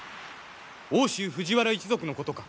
奥州藤原一族のことか？